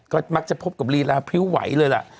ก็มักจะพบกับลีลาพริ้วไหวเลยล่ะ